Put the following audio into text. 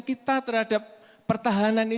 kita terhadap pertahanan ini